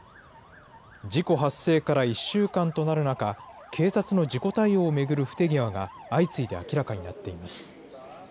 事故発生から１週間となる中、警察の事故対応を巡る不手際が相次いで明らかになっています。